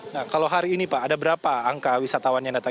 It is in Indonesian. nah kalau hari ini pak ada berapa angka wisatawan yang datang